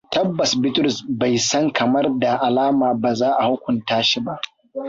Tabbas Bitrus bai san kamar da alama ba za a hukunta shi ba.